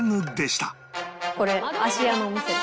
これ芦屋のお店だ。